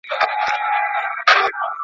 نورو ټولو به وهل ورته ټوپونه.